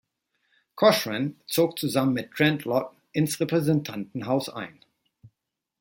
Cochran zog zusammen mit Trent Lott ins Repräsentantenhaus ein.